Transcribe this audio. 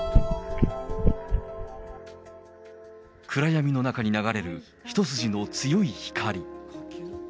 暗闇の中に流れる一筋の強い光。